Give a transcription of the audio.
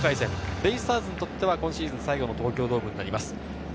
ベイスターズにとっては今シーズン最後の東京ドームです。